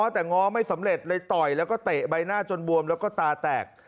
แต่ง้อไม่สำเร็จเลยต่อยแล้วก็เตะใบหน้าจนบวมแล้วก็ตาแตก